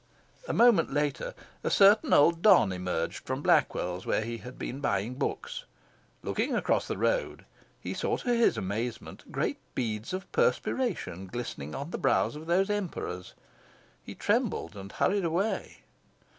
A moment later, a certain old don emerged from Blackwell's, where he had been buying books. Looking across the road, he saw, to his amazement, great beads of perspiration glistening on the brows of those Emperors. He trembled, and hurried away.